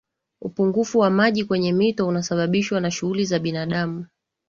upungufu wa maji kwenye mito unasababishwa na shughuli za binadamu